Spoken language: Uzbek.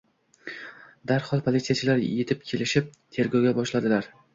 Darhol polisiyachilar etib kelishib, tergov boshladilar